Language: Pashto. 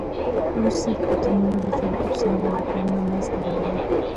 وروسته د اتمونو له ترکیب څخه مالیکولونه منځ ته راغلل.